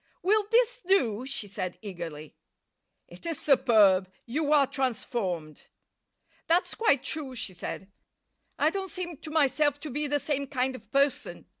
"Will this do?" she said eagerly. "It is superb. You are transformed." "That's quite true," she said. "I don't seem to myself to be the same kind of person.